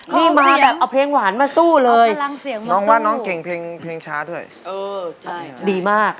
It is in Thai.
นี่มาแบบเอาเพลงหวานมาสู้เลยน้องว่าน้องเก่งเพลงเพลงช้าด้วยเออใช่ดีมาก